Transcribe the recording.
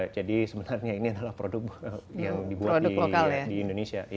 jadi sebenarnya ini adalah produk yang dibuat di indonesia